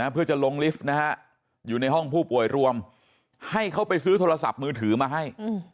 เพื่อจะลงลิฟต์นะฮะอยู่ในห้องผู้ป่วยรวมให้เขาไปซื้อโทรศัพท์มือถือมาให้